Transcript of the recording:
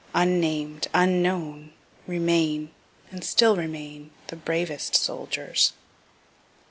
Unnamed, unknown, remain, and still remain, the bravest soldiers.